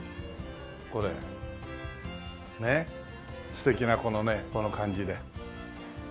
素敵なこのねこの感じで。